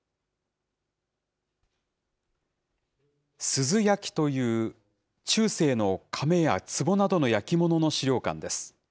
珠洲焼という、中世のかめやつぼなどの焼き物の資料館です。